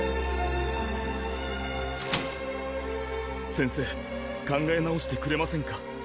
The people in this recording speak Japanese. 先生考え直してくれませんか？